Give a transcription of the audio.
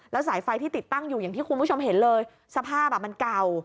สายไฟที่ติดตั้งอยู่อย่างที่คุณผู้ชมเห็นเลยสภาพมันเก่า